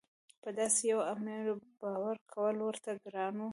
په داسې یوه امیر باور کول ورته ګران وو.